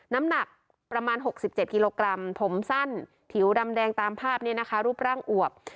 น้ำหนักประมาณ๖๗กิโลกรัมผมสั้นผิวดำแดงตามภาพนี้นะคะรูปร่างอวบ